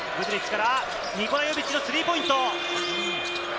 ニコラ・ヨビッチのスリーポイント。